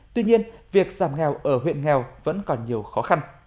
tuy nhiên việc giảm nghèo ở huyện nghèo vẫn còn nhiều khó khăn